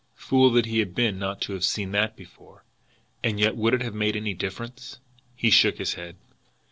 Fool that he had been not to have seen that before! And yet would it have made any difference? He shook his head.